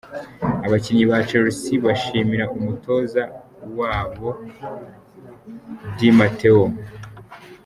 Abakinnyi ba Chelsea bashimira umutoza wabo, Di Mateo.